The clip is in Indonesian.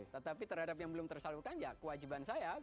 tetapi terhadap yang belum tersalurkan ya kewajiban saya